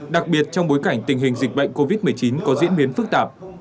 đặc biệt trong bối cảnh tình hình dịch bệnh covid một mươi chín có diễn biến phức tạp